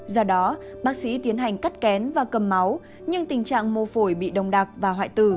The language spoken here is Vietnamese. do đó bác sĩ tiến hành cắt kén và cầm máu nhưng tình trạng mô phổi bị đồng đặc và hoại tử